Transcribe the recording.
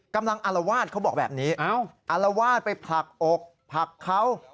กำลังอลวาดเขาบอกแบบนี้อลวาดไปผลักอกผลักเขา